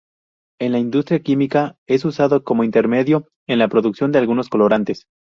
En la industria química es usado como intermedio en la producción de algunos colorantes.